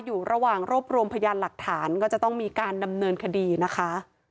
อยู่ระหว่างรวบรวมพยานหลักฐานก็จะต้องมีการดำเนินคดีนะคะ